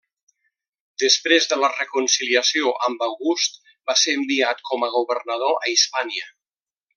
Després de la reconciliació amb August va ser enviat com a governador a Hispània.